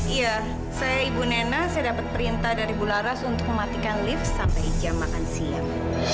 iya saya ibu nena saya dapat perintah dari bu laras untuk mematikan lift sampai jam makan siang